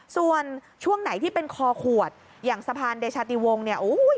ส่วนช่วงไหนที่เป็นคอขวดอย่างสะพานเดชาติวงเนี่ย